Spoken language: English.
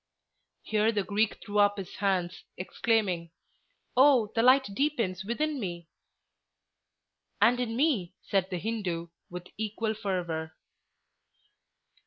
Here the Greek threw up his hands, exclaiming, "Oh! the light deepens within me!" "And in me!" said the Hindoo, with equal fervor.